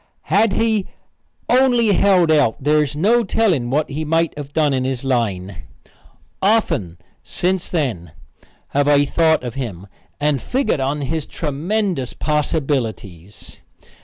Had he only held out there is no telling what he might have done in his line. Often, since then, have I thought of him and figgered on his tremendous possibilities.